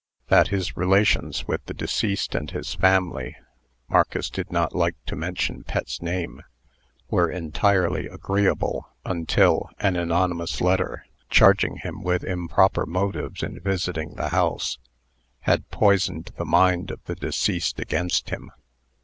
That his relations with the deceased and his family (Marcus did not like to mention Pet's name) were entirely agreeable, until an anonymous letter, charging him with improper motives in visiting the house, had poisoned the mind of the deceased against him.